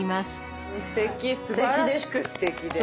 すてき。